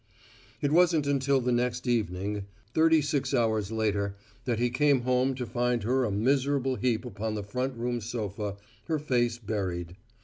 It wasn't until the next evening, thirty six hours later, that he came home to find her a miserable heap upon the front room sofa, her face buried.